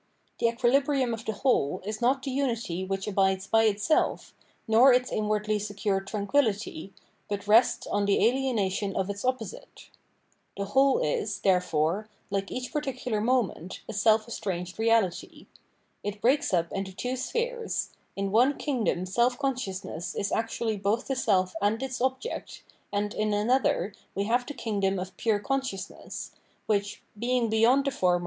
The equilibrium of the whole is not the unity which abides by itself, nor its inwardly secured tranquillity, but rests on the alienation of its opposite. The whole is, therefore, like each particular moment, a self estranged reality. It breaks up into two spheres : in one kingdom self consciousness is actually both the self and its object, and in another we have the kingdom of pure consciousness, which, being beyond the former.